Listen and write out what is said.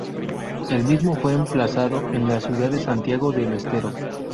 El mismo fue emplazado en la ciudad de Santiago del Estero.